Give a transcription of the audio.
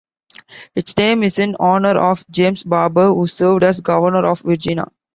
Its name is in honor of James Barbour, who served as Governor of Virginia.